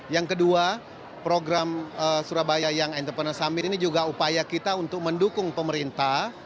yang kedua program surabaya young entrepreneur summit ini juga upaya kita untuk mendukung pemerintah